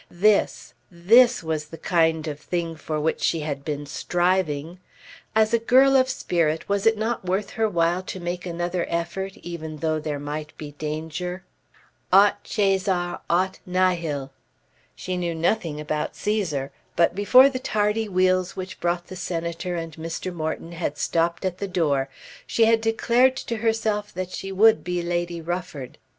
This, this was the kind of thing for which she had been striving. As a girl of spirit was it not worth her while to make another effort even though there might be danger? Aut Cæsar aut nihil. She knew nothing about Cæsar; but before the tardy wheels which brought the Senator and Mr. Morton had stopped at the door she had declared to herself that she would be Lady Rufford.